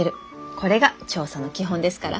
これが調査の基本ですから。